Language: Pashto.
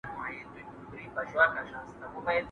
¬ د ډول ږغ د ليري ښه خوند کوي.